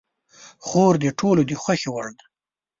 خور د ټولو د خوښې وړ ده.